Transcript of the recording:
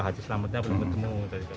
keselamatan belum ketemu